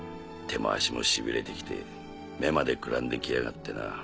手も足もしびれて来て目までくらんで来やがってな。